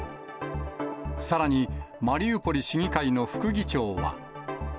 さらに、マリウポリ市議会の副議長は。